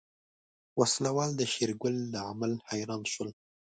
وسله وال د شېرګل له عمل حيران شول.